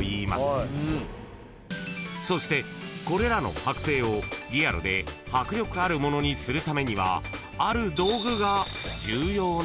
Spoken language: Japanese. ［そしてこれらの剥製をリアルで迫力あるものにするためにはある道具が重要なんだそう］